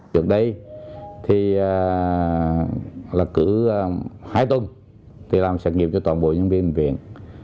trước đây thì là cứ hai tuần thì làm xét nghiệm cho toàn bộ nhân viên bệnh viện